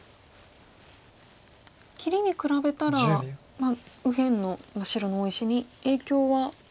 切りに比べたら右辺の白の大石に影響は。